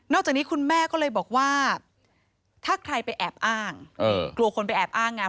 จากนี้คุณแม่ก็เลยบอกว่าถ้าใครไปแอบอ้างกลัวคนไปแอบอ้างไง